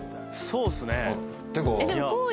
そうですね。